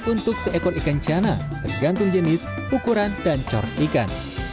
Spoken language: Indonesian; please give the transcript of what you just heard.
untuk seekor ikan ciana tergantung jenis ukuran dan corak ikan